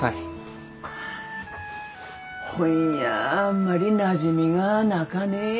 本やあんまりなじみがなかね。